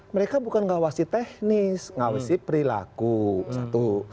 mereka bukan ngawasi teknis ngawasi perilaku satu